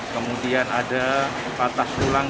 kemudian ada patah tulang